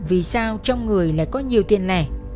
vì sao trong người lại có nhiều tiền lẻ